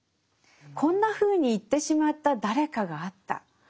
「こんなふうに行ってしまった、誰かがあった」。